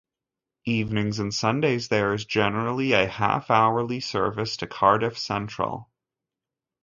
Evenings and Sundays there is a generally a half-hourly service to Cardiff Central.